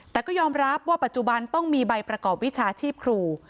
แต่ก็ยอมรับว่าปัจจุบันต้องมีใบประกอบวิชาชีพครู